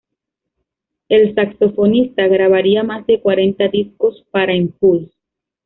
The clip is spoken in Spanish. El saxofonista grabaría más de cuarenta discos para Impulse!